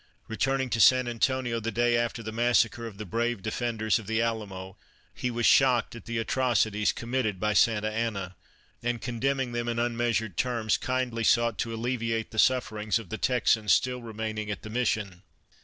Returning to San Antonio the day after the massacre of the brave de fenders of the Alamo, he was shocked at the atroc ities committed by Santa Anna and, condemning them in unmeasured terms, kindly sought to alle viate the sufferings of the Texans still remaining at the mission.